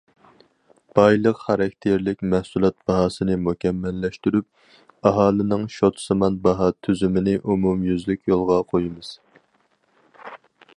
بايلىق خاراكتېرلىك مەھسۇلات باھاسىنى مۇكەممەللەشتۈرۈپ، ئاھالىنىڭ شوتىسىمان باھا تۈزۈمىنى ئومۇميۈزلۈك يولغا قويىمىز.